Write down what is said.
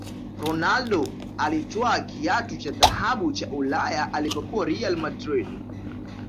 ronaldo alitwaa kiatu cha dhahabu cha ulaya alipokuwa real madrid